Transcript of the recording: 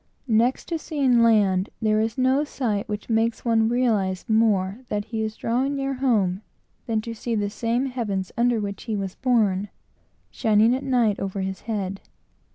Next to seeing land, there is no sight which makes one realize more that he is drawing near home, than to see the same heavens, under which he was born, shining at night over his head.